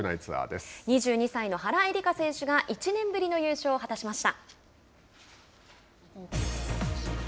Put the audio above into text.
さあ、次は女子国内の２２歳の原英莉花選手が１年ぶりの優勝を果たしました。